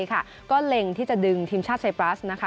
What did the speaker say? ค่ะก็เล่งที่จะดึงทีมชาติเซปราสตร์นะคะ